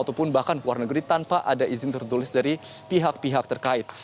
ataupun bahkan keluar negeri tanpa ada izin tertulis dari pihak pihak terkait